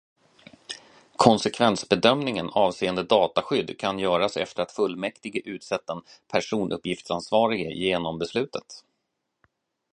Konsekvensbedömningen avseende dataskydd kan göras efter att fullmäktige utsett den personuppgiftsansvarige genom beslutet.